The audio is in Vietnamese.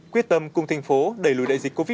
quyết tâm cùng thành phố đẩy lùi đại dịch covid một mươi